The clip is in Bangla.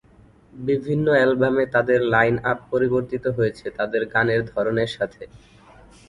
বিভিন্ন অ্যালবামে তাদের লাইন-আপ পরিবর্তিত হয়েছে তাদের গানের ধরনের সাথে।